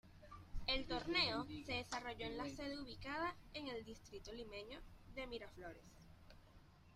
El torneo se desarrolló en la sede ubicada en el distrito limeño de Miraflores.